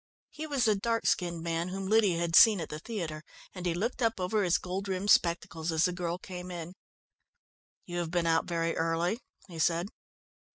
He was the dark skinned man whom Lydia had seen at the theatre, and he looked up over his gold rimmed spectacles as the girl came in. "You have been out very early," he said.